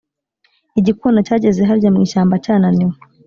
igikona cyageze harya mu ishyamba cyananiwe.